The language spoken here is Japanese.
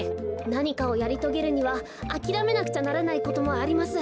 なにかをやりとげるにはあきらめなくちゃならないこともあります。